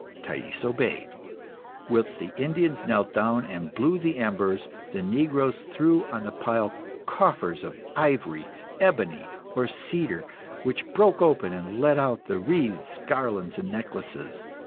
Thais obeyed. Whilst the Indians knelt down and blew the embers, the negroes threw on the pile coffers of ivory, ebony, or cedar, which broke open and let out wreaths, garlands, and necklaces.